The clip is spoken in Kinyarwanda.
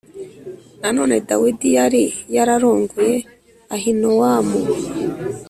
Nanone Dawidi yari yararongoye Ahinowamu